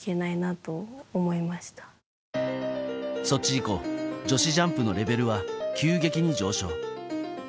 ソチ以降、女子ジャンプのレベルは急激に上昇。